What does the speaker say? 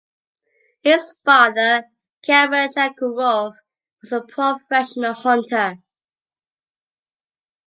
His father, Kaïum Chakourov, was a professional hunter.